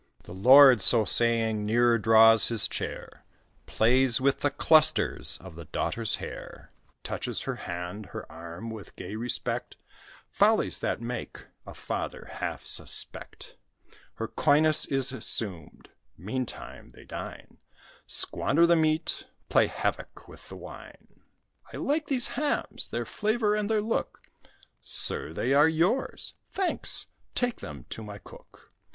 The lord, so saying, nearer draws his chair, Plays with the clusters of the daughter's hair, Touches her hand, her arm, with gay respect, Follies that make a father half suspect Her coyness is assumed; meantime they dine, Squander the meat, play havoc with the wine. "I like these hams, their flavour and their look." "Sir, they are yours." "Thanks: take them to my cook."